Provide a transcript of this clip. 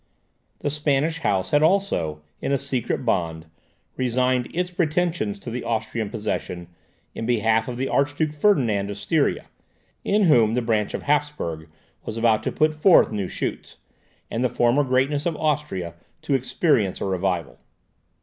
The Spanish House had also, in a secret bond, resigned its pretensions to the Austrian possessions in behalf of the Archduke Ferdinand of Styria, in whom the branch of Hapsburg was about to put forth new shoots, and the former greatness of Austria to experience a revival.